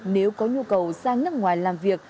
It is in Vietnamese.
nếu có nhu cầu sang nước ngoài làm việc